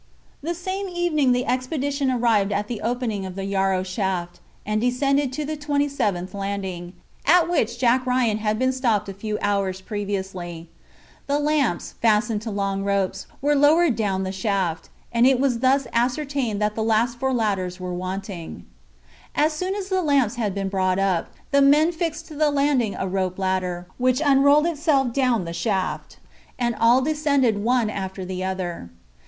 The same evening the expedition arrived at the opening of the Yarrow shaft, and descended to the twenty seventh landing, at which Jack Ryan had been stopped a few hours previously. The lamps, fastened to long ropes, were lowered down the shaft, and it was thus ascertained that the four last ladders were wanting. As soon as the lamps had been brought up, the men fixed to the landing a rope ladder, which unrolled itself down the shaft, and all descended one after the other.